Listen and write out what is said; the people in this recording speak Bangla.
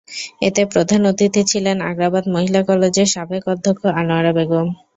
এতে প্রধান অতিথি ছিলেন আগ্রাবাদ মহিলা কলেজের সাবেক অধ্যক্ষ আনোয়ারা আলম।